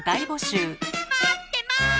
待ってます！